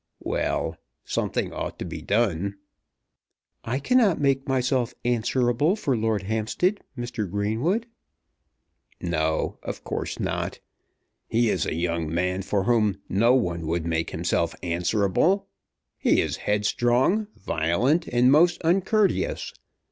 "Well; something ought to be done." "I cannot make myself answerable for Lord Hampstead, Mr. Greenwood." "No; of course not. He is a young man for whom no one would make himself answerable. He is head strong, violent, and most uncourteous.